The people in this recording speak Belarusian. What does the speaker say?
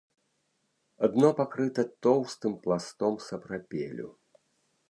Дно пакрыта тоўстым пластом сапрапелю.